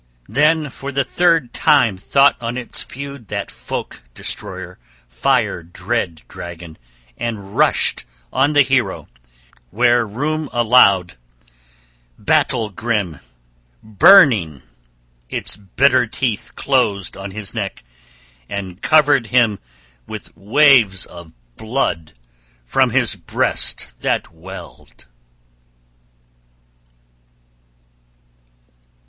Then for the third time thought on its feud that folk destroyer, fire dread dragon, and rushed on the hero, where room allowed, battle grim, burning; its bitter teeth closed on his neck, and covered him with waves of blood from his breast that welled.